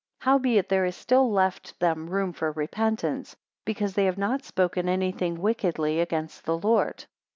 186 Howbeit there is still left them room for repentance, because they have not spoken any thing wickedly against the Lord.